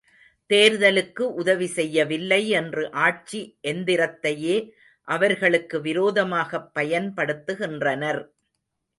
தேர்தலுக்கு உதவி செய்யவில்லை என்று ஆட்சி எந்திரத்தையே அவர்களுக்கு விரோதமாகப் பயன்படுத்துகின்றனர்.